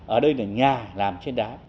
ở đây là nhà làm trên đá